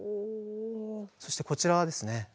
そしてこちらはですね